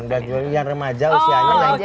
ya sembilan belas dua puluh yang remaja usianya